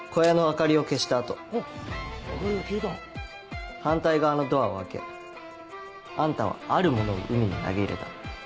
明かりが消えた反対側のドアを開けあんたはあるものを海に投げ入れた。